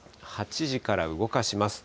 ８時から動かします。